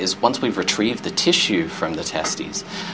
setelah kita mengembalikan tisu dari testis